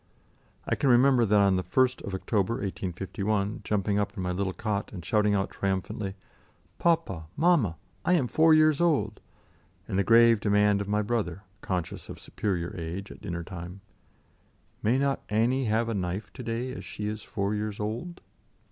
I can remember on the 1st of October, 1851, jumping up in my little cot, and shouting out triumphantly: "Papa! mamma! I am four years old!" and the grave demand of my brother, conscious of superior age, at dinner time: "May not Annie have a knife to day, as she is four years old?"